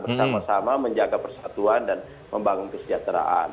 bersama sama menjaga persatuan dan membangun kesejahteraan